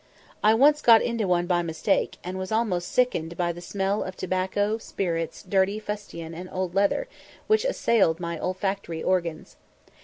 I once got into one by mistake, and was almost sickened by the smell of tobacco, spirits, dirty fustian, and old leather, which assailed my olfactory organs.